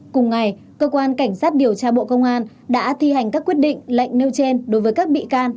cùng ngày cơ quan cảnh sát điều tra bộ công an đã thi hành các quyết định lệnh nêu trên đối với các bị can